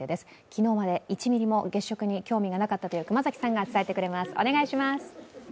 昨日まで１ミリも月食に興味がなかったという熊崎さんが伝えてくれます。